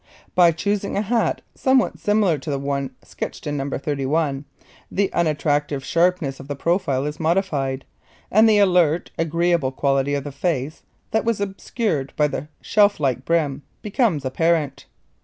By choosing a hat somewhat similar to the one sketched in No. 31, the unattractive sharpness of the profile is modified, and the alert, agreeable quality of the face, that was obscured by the shelf like brim, becomes apparent.